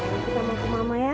iya sayang kita mau ke mama ya